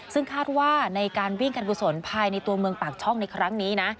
ซึ่งคาดว่าในการวิ่งการกุศลภายในตัวเมืองปากช่องในครั้งนี้นะ